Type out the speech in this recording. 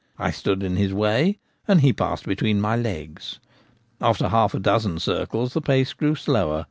I stood in his way, and he passed between my legs. After half a dozen circles the pace grew slower.